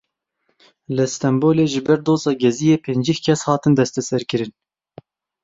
Li Stenbolê ji ber doza Geziyê pêncî kes hatin desteserkirin.